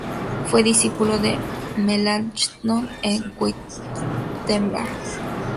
Fue discípulo de Melanchthon en Wittenberg.